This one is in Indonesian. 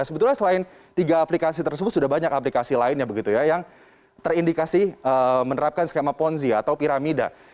sebetulnya selain tiga aplikasi tersebut sudah banyak aplikasi lainnya begitu ya yang terindikasi menerapkan skema ponzi atau piramida